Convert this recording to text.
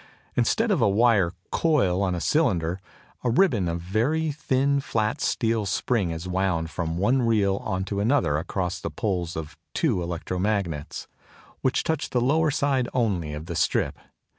Instead of a wire coil on a cylinder, a ribbon of very thin flat steel spring is wound from one reel on to another across the poles of two electro magnets, which touch the lower side only of the strip.